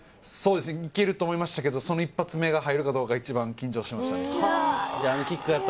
いけると思いましたけど、その一発目が入るかが、一番緊張しました。